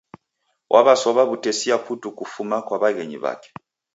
Wasowa wu'tesia putu kufuma kwa wa'ghenyi wake